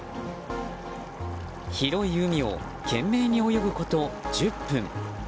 広い海を懸命に泳ぐこと１０分。